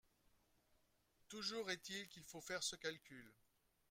Toujours est-il qu’il faut faire ce calcul.